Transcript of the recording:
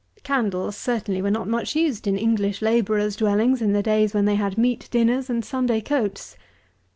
Candles certainly were not much used in English labourers' dwellings in the days when they had meat dinners and Sunday coats.